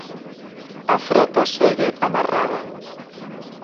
A frota segue amarrada.